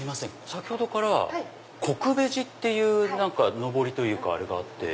先ほどからこくベジっていうのぼりというかあって。